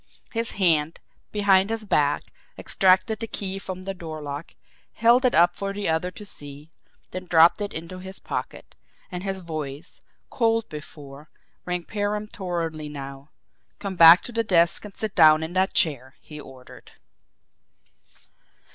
His hand, behind his back, extracted the key from the door lock, held it up for the other to see, then dropped it into his pocket and his voice, cold before, rang peremptorily now. "Come back to the desk and sit down in that chair!" he ordered.